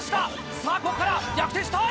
さぁここから逆転したい！